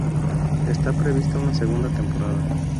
Está prevista una segunda temporada.